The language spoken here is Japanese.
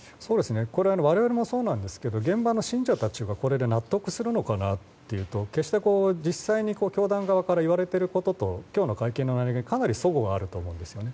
我々もそうなんですが現場の信者たちはこれで納得するかというと実際に教団から言われていることと今日の会見の内容はかなりそごがあると思うんですね。